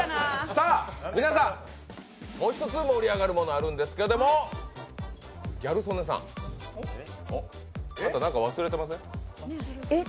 さあ皆さん、もう一つ盛り上がるものがあるんですけれどもギャル曽根さん、あなた何か忘れてません？